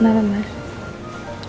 aku balik lagi maju untuk bayi